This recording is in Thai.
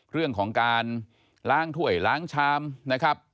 เรื่องของการล้างถ้วยล้างชามนะครับ